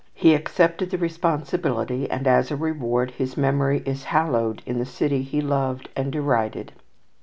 He accepted the responsibility, and, as a reward, his memory is hallowed in the city he loved and derided.